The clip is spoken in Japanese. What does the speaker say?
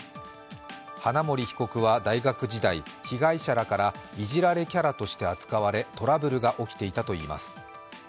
花森被告は大学時代、被害者らからいじられキャラとして扱われトラブルが起きていたといいます。